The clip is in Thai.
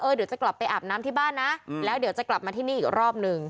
เดี๋ยวจะกลับไปอาบน้ำที่บ้านนะแล้วเดี๋ยวจะกลับมาที่นี่อีกรอบหนึ่ง